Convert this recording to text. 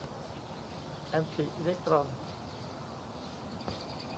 แอนติอิเล็กตรอน